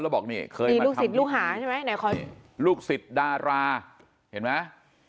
แล้วบอกเคยลูกสิทธิ์ลูหาใช่ไหมยังไงลูกสิทธิ์ดาราเห็นไหม